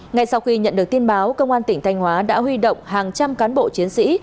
ngay sau khi nhận được tin báo công an tỉnh thanh hóa đã huy động hàng trăm cán bộ chiến sĩ